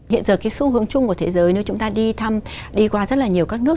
hiện giờ cái xu hướng chung của thế giới nếu chúng ta đi thăm đi qua rất là nhiều các nước